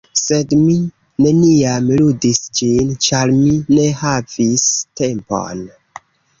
sed mi neniam ludis ĝin, ĉar mi ne havis tempon.